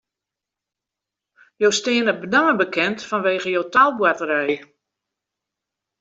Jo steane benammen bekend fanwege jo taalboarterij.